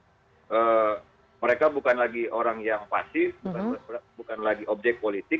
karena mereka bukan lagi orang yang pasif bukan lagi objek politik